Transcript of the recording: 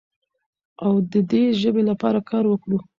او د دې ژبې لپاره کار وکړو.